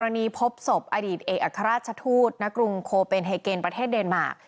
อันนี้พบศพอดีตเอกอัครราชทูตณกรุงโคเป็นเฮเกนประเทศเดนมาร์ก